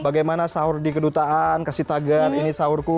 bagaimana sahur di kedutaan kasih tagar ini sahurku